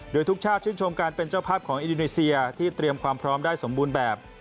โดยทุกชาติชื่นชมการเป็นเจ้าภาพของอินโดนีเซียที่เตรียมความพร้อมได้สมบูรณ์แบบ